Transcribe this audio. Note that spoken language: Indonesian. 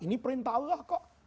ini perintah allah kok